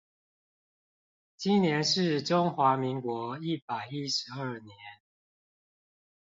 今年是中華民國一百一十二年